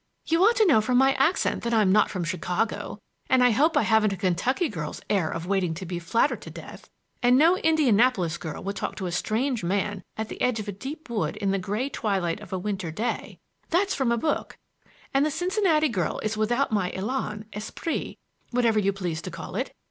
You ought to know from my accent that I'm not from Chicago. And I hope I haven't a Kentucky girl's air of waiting to be flattered to death. And no Indianapolis girl would talk to a strange man at the edge of a deep wood in the gray twilight of a winter day,—that's from a book; and the Cincinnati girl is without my élan, esprit,—whatever you please to call it.